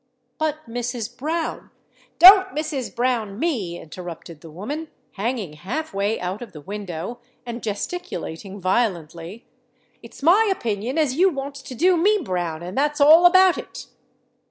"But, Mrs. Brown——" "Don't Mrs. Brown me!" interrupted the woman, hanging half way out of the window, and gesticulating violently. "It's my opinion as you wants to do me brown—and that's all about it."